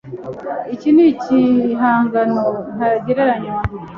Iki ni igihangano ntagereranywa.